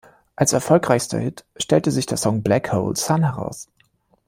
Als erfolgreichster Hit stellte sich der Song "Black Hole Sun" heraus.